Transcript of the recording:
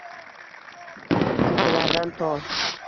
Kechalardan to